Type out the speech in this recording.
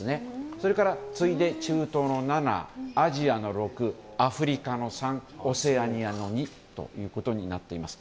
それから次いで中東の７アジアの６アフリカの３、オセアニアの２ということになっています。